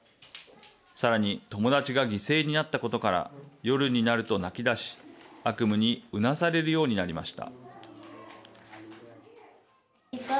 さらに友だちが犠牲になったことから夜になると泣きだし、悪夢にうなされるようになりました。